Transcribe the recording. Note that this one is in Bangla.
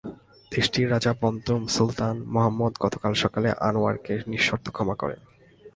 দেশটির রাজা পঞ্চম সুলতান মুহাম্মদ গতকাল সকালে আনোয়ারকে নিঃশর্ত ক্ষমা করেন।